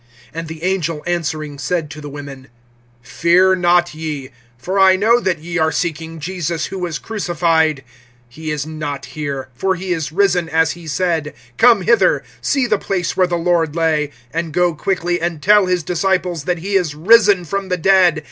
(5)And the angel answering said to the women: Fear not ye; for I know that ye are seeking Jesus, who was crucified. (6)He is not here; for he is risen, as he said. Come hither, see the place where the Lord lay. (7)And go quickly, and tell his disciples that he is risen from the dead.